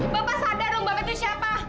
bapak sadar dong bapak itu siapa